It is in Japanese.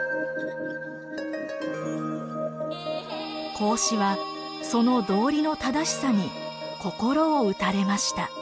孔子はその道理の正しさに心を打たれました。